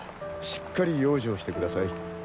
しっかり養生してください。